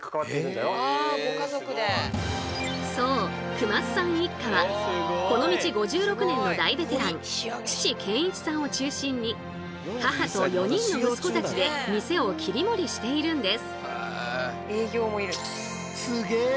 熊須さん一家はこの道５６年の大ベテラン父健一さんを中心に母と４人の息子たちで店を切り盛りしているんです。